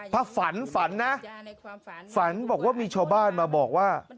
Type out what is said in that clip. ถ้าฝันฝันนะฝันบอกว่ามีชาวบ้านมาบอกว่า